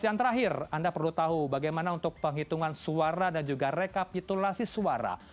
yang terakhir anda perlu tahu bagaimana untuk penghitungan suara dan juga rekapitulasi suara